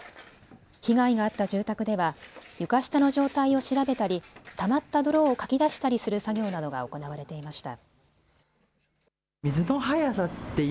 被害があった住宅では床下の状態を調べたりたまった泥をかき出したりする作業などが行われていました。